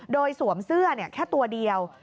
โดยสวมเสื้อแค่ตัวเดียว